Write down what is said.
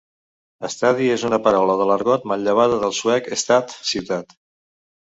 "Stadi" és una paraula de l"argot, manllevada del suec "stad", "ciutat".